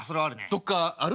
どっかある？